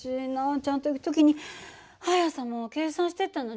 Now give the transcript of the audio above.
ちゃんと行く時に速さも計算してったのに。